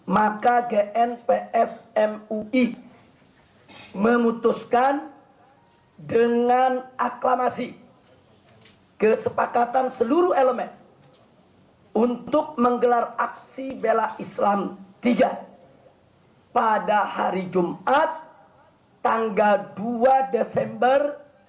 maka gnpf mui memutuskan dengan aklamasi kesepakatan seluruh elemen untuk menggelar aksi bela islam tiga pada hari jumat tanggal dua desember dua ribu enam belas